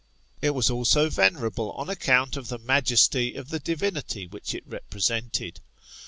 It was also venerable on account of the majesty of the divinity which it represented.